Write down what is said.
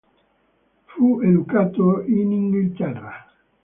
Fu educato in Inghilterra.